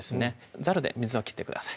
ザルで水を切ってください